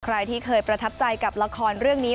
ใครที่เคยประทับใจกับละครเรื่องนี้